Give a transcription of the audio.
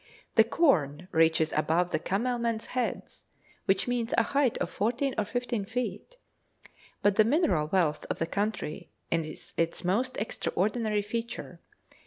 The corn reaches above the camel men's heads, which means a height of fourteen or fifteen feet. But the mineral wealth of the country is its most extraordinary feature.